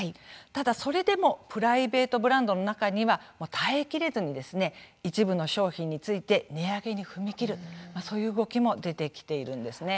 ただ、それでもプライベートブランドの中には耐えきれずに一部の商品について値上げに踏み切る、そういう動きも出てきているんですね。